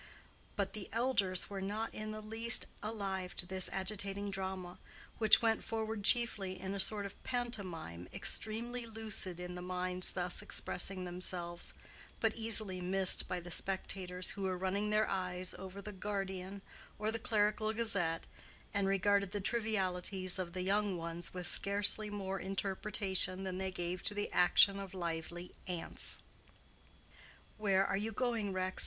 But the elders were not in the least alive to this agitating drama, which went forward chiefly in a sort of pantomime extremely lucid in the minds thus expressing themselves, but easily missed by spectators who were running their eyes over the Guardian or the Clerical Gazette, and regarded the trivialities of the young ones with scarcely more interpretation than they gave to the action of lively ants. "Where are you going, Rex?"